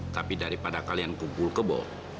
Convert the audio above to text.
tapi daripada kalian kumpul kebo